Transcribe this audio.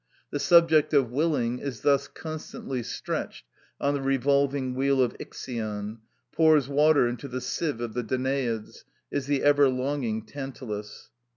The subject of willing is thus constantly stretched on the revolving wheel of Ixion, pours water into the sieve of the Danaids, is the ever longing Tantalus.